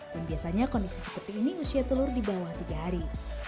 dan biasanya kondisi seperti ini usia telur di bawah tiga hari